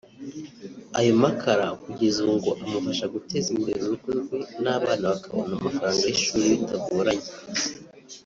Ayo makara kugeza ubu ngo amufasha guteza imbere urugo rwe n’abana bakabona amafaranga y’ishuri bitagoranye